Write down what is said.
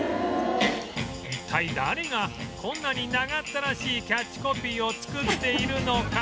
一体誰がこんなに長ったらしいキャッチコピーを作っているのか？